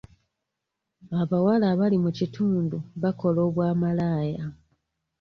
Abawala abali mu kitundu bakola obwa malaaya.